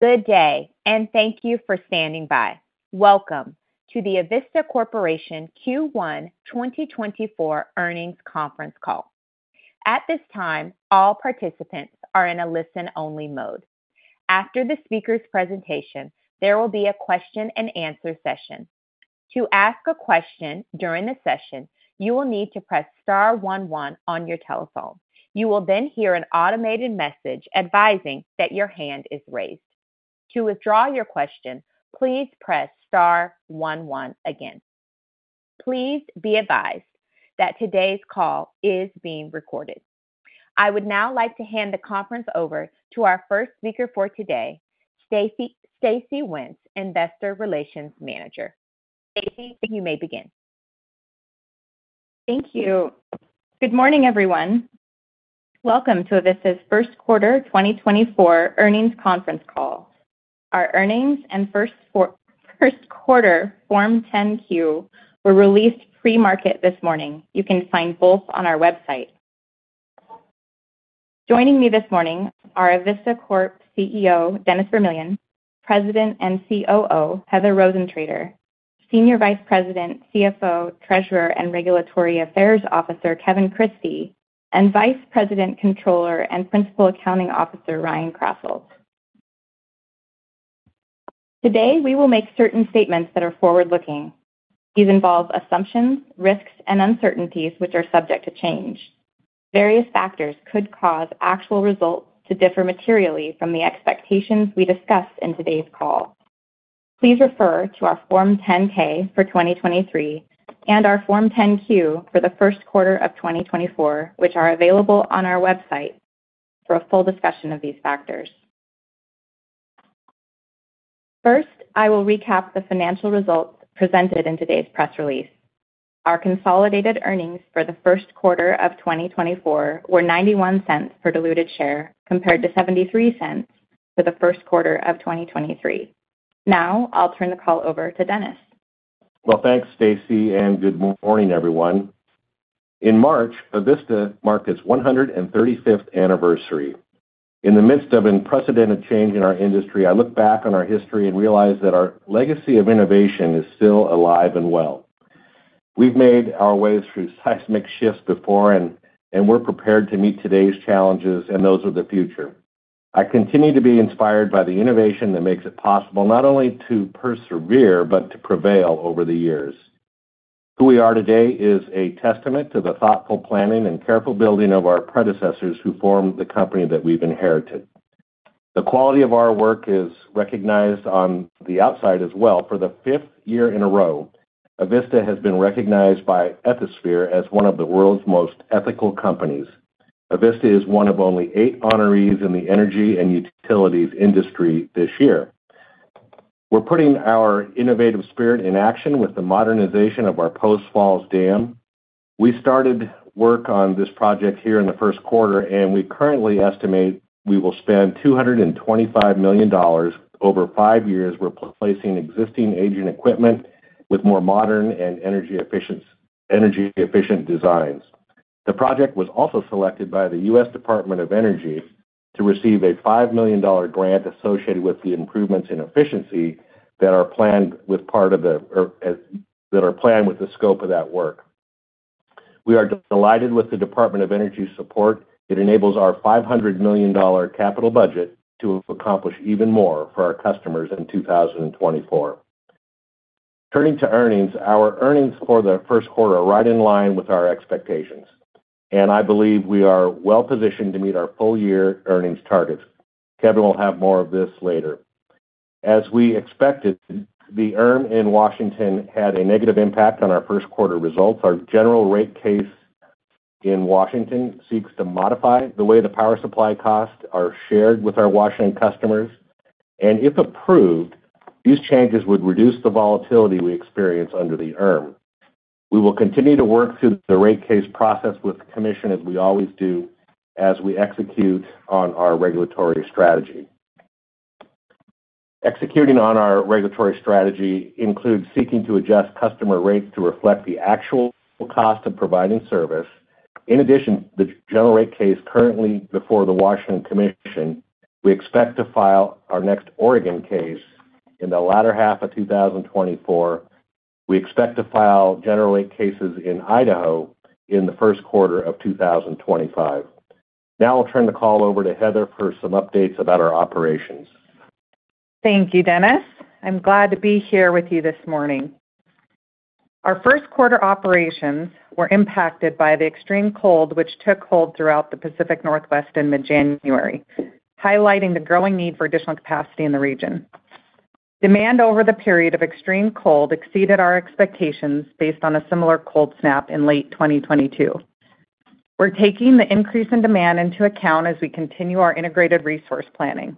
Good day, and thank you for standing by. Welcome to the Avista Corporation Q1 2024 earnings conference call. At this time, all participants are in a listen-only mode. After the speaker's presentation, there will be a question-and-answer session. To ask a question during the session, you will need to press star 11 on your telephone. You will then hear an automated message advising that your hand is raised. To withdraw your question, please press star 11 again. Please be advised that today's call is being recorded. I would now like to hand the conference over to our first speaker for today, Stacey Wenz, Investor Relations Manager. Stacey, you may begin. Thank you. Good morning, everyone. Welcome to Avista's first quarter 2024 earnings conference call. Our earnings and first quarter Form 10-Q were released pre-market this morning. You can find both on our website. Joining me this morning are Avista Corp CEO Dennis Vermillion, President and COO Heather Rosentrater, Senior Vice President, CFO, Treasurer, and Regulatory Affairs Officer Kevin Christie, and Vice President, Controller, and Principal Accounting Officer Ryan Krasselt. Today, we will make certain statements that are forward-looking. These involve assumptions, risks, and uncertainties which are subject to change. Various factors could cause actual results to differ materially from the expectations we discussed in today's call. Please refer to our Form 10-K for 2023 and our Form 10-Q for the first quarter of 2024, which are available on our website for a full discussion of these factors. First, I will recap the financial results presented in today's press release. Our consolidated earnings for the first quarter of 2024 were $0.91 per diluted share, compared to $0.73 for the first quarter of 2023. Now I'll turn the call over to Dennis. Well, thanks, Stacey, and good morning, everyone. In March, Avista marked its 135th anniversary. In the midst of unprecedented change in our industry, I look back on our history and realize that our legacy of innovation is still alive and well. We've made our ways through seismic shifts before, and we're prepared to meet today's challenges, and those are the future. I continue to be inspired by the innovation that makes it possible not only to persevere but to prevail over the years. Who we are today is a testament to the thoughtful planning and careful building of our predecessors who formed the company that we've inherited. The quality of our work is recognized on the outside as well. For the fifth year in a row, Avista has been recognized by Ethisphere as one of the world's most ethical companies. Avista is one of only 8 honorees in the energy and utilities industry this year. We're putting our innovative spirit in action with the modernization of our Post Falls Dam. We started work on this project here in the first quarter, and we currently estimate we will spend $225,000,000 over 5 years replacing existing aging equipment with more modern and energy-efficient designs. The project was also selected by the U.S. Department of Energy to receive a $5,000,000 grant associated with the improvements in efficiency that are planned with part of the scope of that work. We are delighted with the Department of Energy's support. It enables our $500,000,000 capital budget to accomplish even more for our customers in 2024. Turning to earnings, our earnings for the first quarter are right in line with our expectations, and I believe we are well positioned to meet our full-year earnings targets. Kevin will have more of this later. As we expected, the general rate case in Washington had a negative impact on our first quarter results. Our general rate case in Washington seeks to modify the way the power supply costs are shared with our Washington customers, and if approved, these changes would reduce the volatility we experience under the Energy Recovery Mechanism. We will continue to work through the rate case process with the commission as we always do as we execute on our regulatory strategy. Executing on our regulatory strategy includes seeking to adjust customer rates to reflect the actual cost of providing service. In addition, the general rate case currently before the Washington Commission, we expect to file our next Oregon case in the latter half of 2024. We expect to file general rate cases in Idaho in the first quarter of 2025. Now I'll turn the call over to Heather for some updates about our operations. Thank you, Dennis. I'm glad to be here with you this morning. Our first quarter operations were impacted by the extreme cold which took hold throughout the Pacific Northwest in mid-January, highlighting the growing need for additional capacity in the region. Demand over the period of extreme cold exceeded our expectations based on a similar cold snap in late 2022. We're taking the increase in demand into account as we continue our integrated resource planning.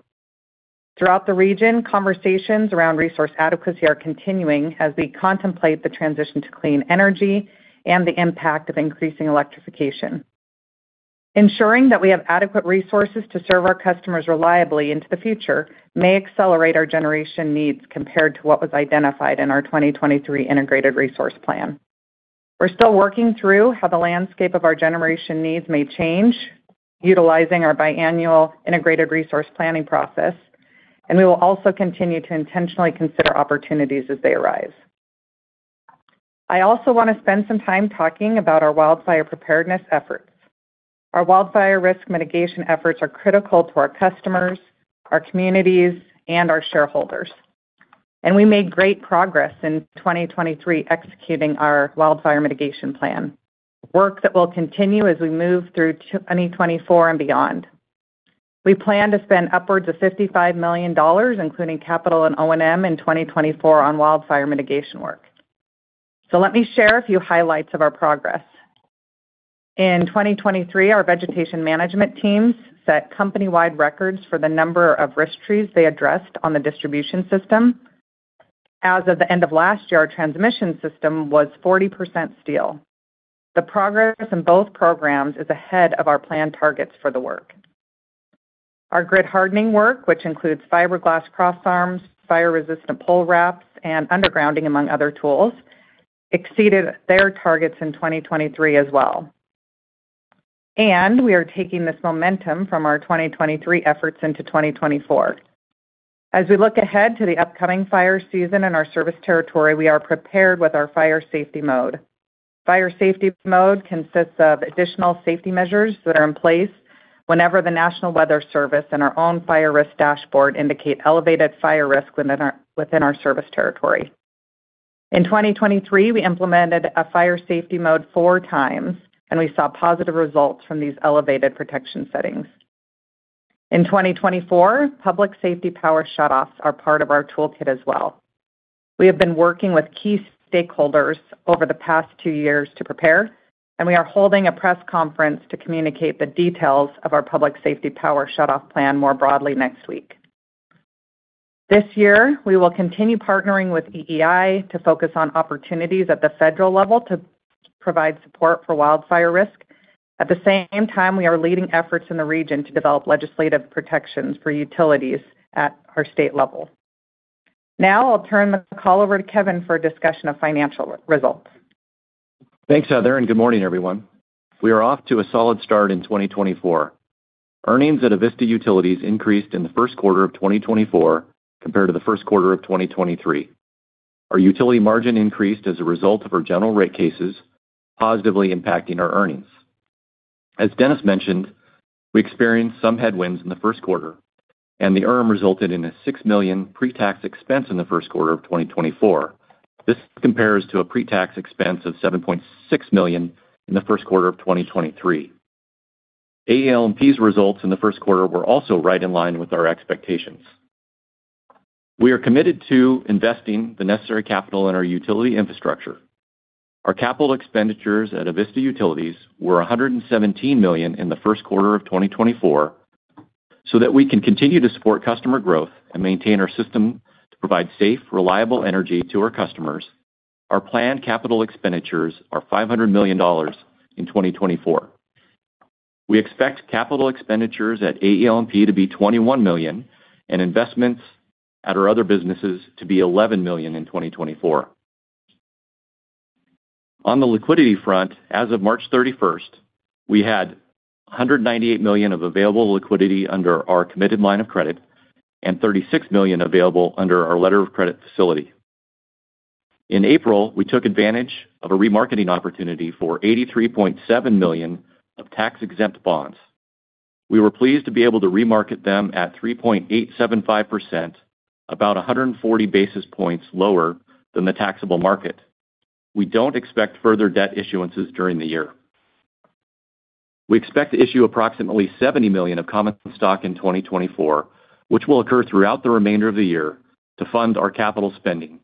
Throughout the region, conversations around resource adequacy are continuing as we contemplate the transition to clean energy and the impact of increasing electrification. Ensuring that we have adequate resources to serve our customers reliably into the future may accelerate our generation needs compared to what was identified in our 2023 integrated resource plan. We're still working through how the landscape of our generation needs may change utilizing our biennial integrated resource planning process, and we will also continue to intentionally consider opportunities as they arise. I also want to spend some time talking about our wildfire preparedness efforts. Our wildfire risk mitigation efforts are critical to our customers, our communities, and our shareholders, and we made great progress in 2023 executing our wildfire mitigation plan, work that will continue as we move through 2024 and beyond. We plan to spend upwards of $55,000,000, including capital and O&M, in 2024 on wildfire mitigation work. So let me share a few highlights of our progress. In 2023, our vegetation management teams set company-wide records for the number of risk trees they addressed on the distribution system. As of the end of last year, our transmission system was 40% steel. The progress in both programs is ahead of our planned targets for the work. Our grid hardening work, which includes fiberglass cross-arms, fire-resistant pole wraps, and undergrounding, among other tools, exceeded their targets in 2023 as well. We are taking this momentum from our 2023 efforts into 2024. As we look ahead to the upcoming fire season in our service territory, we are prepared with our fire safety mode. Fire safety mode consists of additional safety measures that are in place whenever the National Weather Service and our own fire risk dashboard indicate elevated fire risk within our service territory. In 2023, we implemented a fire safety mode four times, and we saw positive results from these elevated protection settings. In 2024, public safety power shutoffs are part of our toolkit as well. We have been working with key stakeholders over the past two years to prepare, and we are holding a press conference to communicate the details of our public safety power shutoff plan more broadly next week. This year, we will continue partnering with EEI to focus on opportunities at the federal level to provide support for wildfire risk. At the same time, we are leading efforts in the region to develop legislative protections for utilities at our state level. Now I'll turn the call over to Kevin for a discussion of financial results. Thanks, Heather, and good morning, everyone. We are off to a solid start in 2024. Earnings at Avista Utilities increased in the first quarter of 2024 compared to the first quarter of 2023. Our utility margin increased as a result of our general rate cases, positively impacting our earnings. As Dennis mentioned, we experienced some headwinds in the first quarter, and they resulted in a $6,000,000 pre-tax expense in the first quarter of 2024. This compares to a pre-tax expense of $7,600,000 in the first quarter of 2023. AEL&P's results in the first quarter were also right in line with our expectations. We are committed to investing the necessary capital in our utility infrastructure. Our capital expenditures at Avista Utilities were $117,000,000 in the first quarter of 2024. So that we can continue to support customer growth and maintain our system to provide safe, reliable energy to our customers, our planned capital expenditures are $500,000,000 in 2024. We expect capital expenditures at AEL&P to be $21,000,000, and investments at our other businesses to be $11,000,000 in 2024. On the liquidity front, as of March 31st, we had $198,000,000 of available liquidity under our committed line of credit and $36,000,000 available under our letter of credit facility. In April, we took advantage of a remarketing opportunity for $83,700,000 of tax-exempt bonds. We were pleased to be able to remarket them at 3.875%, about 140 basis points lower than the taxable market. We don't expect further debt issuances during the year. We expect to issue approximately 70,000,000 of common stock in 2024, which will occur throughout the remainder of the year to fund our capital spending.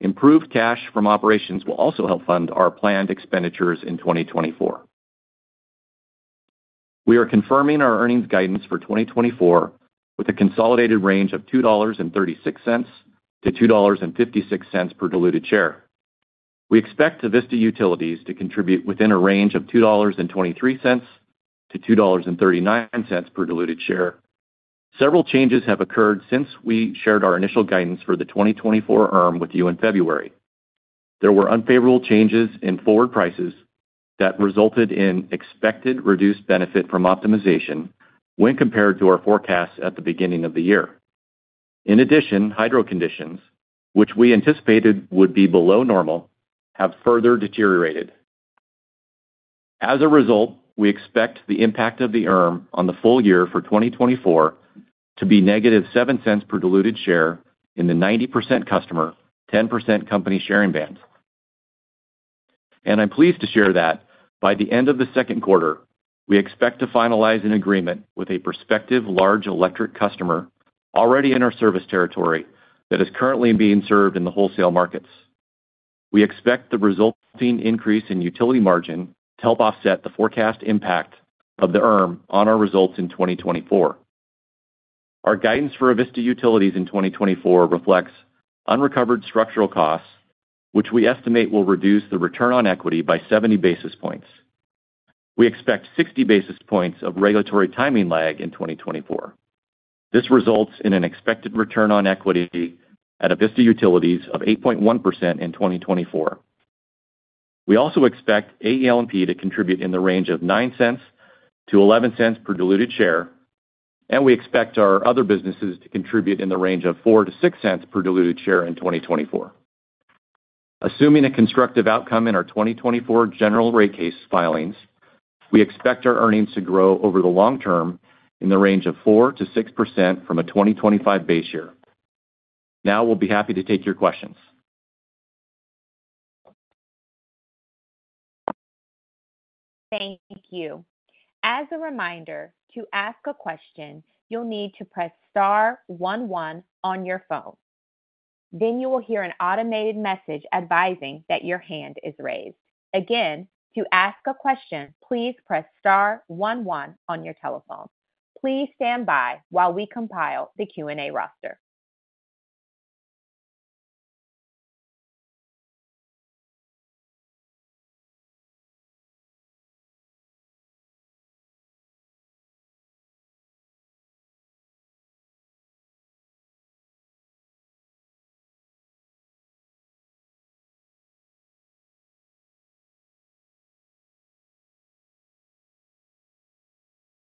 Improved cash from operations will also help fund our planned expenditures in 2024. We are confirming our earnings guidance for 2024 with a consolidated range of $2.36-$2.56 per diluted share. We expect Avista Utilities to contribute within a range of $2.23-$2.39 per diluted share. Several changes have occurred since we shared our initial guidance for the 2024 with you in February. There were unfavorable changes in forward prices that resulted in expected reduced benefit from optimization when compared to our forecasts at the beginning of the year. In addition, hydro conditions, which we anticipated would be below normal, have further deteriorated. As a result, we expect the impact of the ERM on the full year for 2024 to be -$0.07 per diluted share in the 90% customer, 10% company sharing bands. I'm pleased to share that by the end of the second quarter, we expect to finalize an agreement with a prospective large electric customer already in our service territory that is currently being served in the wholesale markets. We expect the resulting increase in utility margin to help offset the forecast impact of the ERM on our results in 2024. Our guidance for Avista Utilities in 2024 reflects unrecovered structural costs, which we estimate will reduce the return on equity by 70 basis points. We expect 60 basis points of regulatory timing lag in 2024. This results in an expected return on equity at Avista Utilities of 8.1% in 2024. We also expect AEL&P to contribute in the range of $0.09-$0.11 per diluted share, and we expect our other businesses to contribute in the range of $0.04-$0.06 per diluted share in 2024. Assuming a constructive outcome in our 2024 General Rate Case filings, we expect our earnings to grow over the long term in the range of 4%-6% from a 2025 base year. Now we'll be happy to take your questions. Thank you. As a reminder, to ask a question, you'll need to press star 11 on your phone. Then you will hear an automated message advising that your hand is raised. Again, to ask a question, please press star 11 on your telephone. Please stand by while we compile the Q&A roster.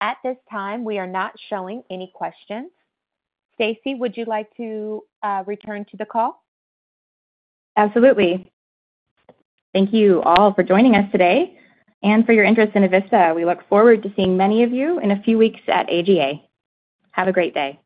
At this time, we are not showing any questions. Stacey, would you like to return to the call? Absolutely. Thank you all for joining us today, and for your interest in Avista. We look forward to seeing many of you in a few weeks at AGA. Have a great day.